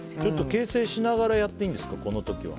形成しながらやっていいんですか？